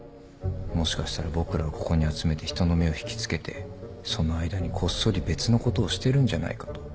もしかしたら僕らをここに集めて人の目を引きつけてその間にこっそり別のことをしてるんじゃないかと。